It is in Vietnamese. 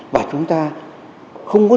và chúng ta không có gì